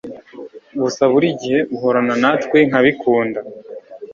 gusa burigihe uhorana natwe nkabikunda